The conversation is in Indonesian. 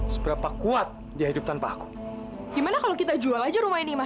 sampai jumpa di video selanjutnya